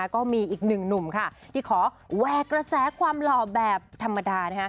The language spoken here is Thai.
ก็มีอีกหนึ่งหนุ่มค่ะที่ขอแวกกระแสความหล่อแบบธรรมดา